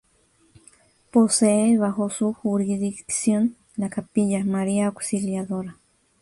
Posee bajo su jurisdicción la capilla: María Auxiliadora.